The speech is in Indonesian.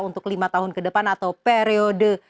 untuk lima tahun ke depan atau periode